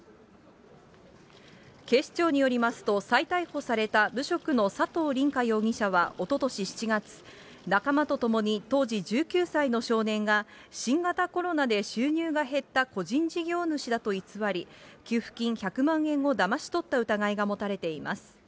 警視庁によりますと、再逮捕された無職の佐藤凜果容疑者はおととし７月、仲間と共に当時１９歳の少年が、新型コロナで収入が減った個人事業主だと偽り、給付金１００万円をだまし取った疑いが持たれています。